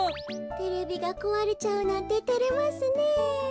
テレビがこわれちゃうなんててれますね。